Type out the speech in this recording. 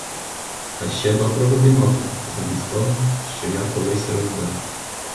Та ще доброго бінокля замість того, що я колись розбив.